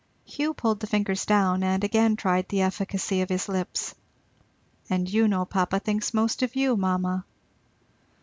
Hugh pulled the fingers down and again tried the efficacy of his lips. "And you know papa thinks most of you, mamma."